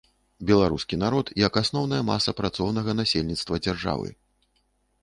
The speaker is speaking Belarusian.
Беларускі народ як асноўная маса працоўнага насельніцтва дзяржавы.